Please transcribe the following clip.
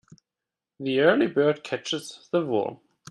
The early bird catches the worm.